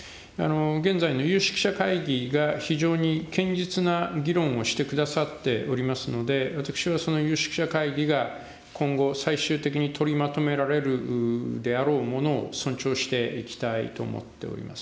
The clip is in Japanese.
現在の有識者会議が非常に堅実な議論をしてくださっておりますので、私はその有識者会議が、今後、最終的に取りまとめられるであろうものを尊重していきたいと思っております。